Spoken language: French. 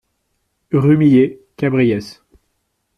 Rue Millet, Cabriès